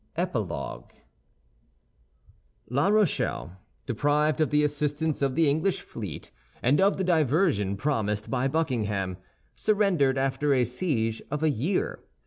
EPILOGUE La Rochelle, deprived of the assistance of the English fleet and of the diversion promised by Buckingham, surrendered after a siege of a year.